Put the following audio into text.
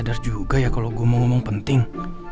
sadar juga ya kalau gue mau ngomong penting